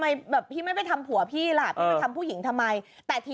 นี่คือไม่ใช่กิคหรอนี่เป็นเด็กเอันหรอ